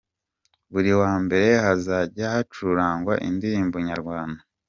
Buri wa mbere:Hazajya hacurangwa Indirimbo Nyarwanda.